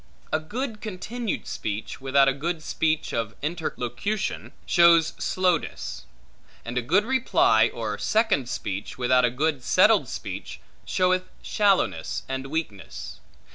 A good continued speech, without a good speech of interlocution, shows slowness: and a good reply or second speech, without a good settled speech, showeth shallowness and weakness.